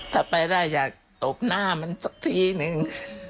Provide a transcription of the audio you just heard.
ถ้าไปได้อยากตบหน้ามันสักทีนึง